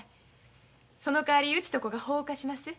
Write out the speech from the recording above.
そのかわりうちとこが法を犯します。